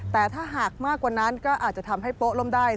แต่ถ้าหากมากกว่านั้นก็อาจจะทำให้โป๊ล้มได้